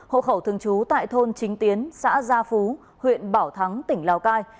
hộ khẩu thường trú tại thôn chính tiến xã gia phú huyện bảo thắng tỉnh lào cai